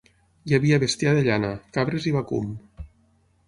Hi havia bestiar de llana, cabres i vacum.